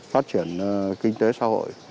phát triển kinh tế xã hội